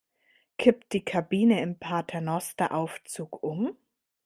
Kippt die Kabine im Paternosteraufzug um?